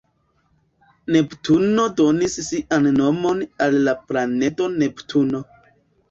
Neptuno donis sian nomon al la planedo Neptuno.